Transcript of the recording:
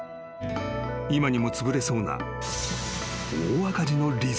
［今にもつぶれそうな］